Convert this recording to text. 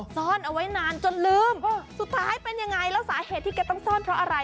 ซ่อนเอาไว้นานจนลืมสุดท้ายเป็นยังไงแล้วสาเหตุที่แกต้องซ่อนเพราะอะไร